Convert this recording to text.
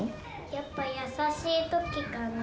やっぱ優しいときかな。